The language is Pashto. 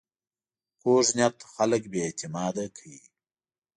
کوږ نیت خلک بې اعتماده کوي